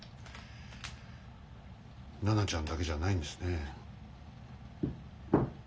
奈々ちゃんだけじゃないんですね。